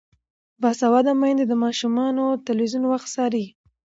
باسواده میندې د ماشومانو د تلویزیون وخت څاري.